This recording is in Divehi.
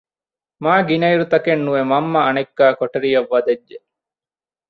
މާގިނައިރު ތަކެއް ނުވެ މަންމަ އަނެއްކާ ކޮޓަރިއަށް ވަދެއްޖެ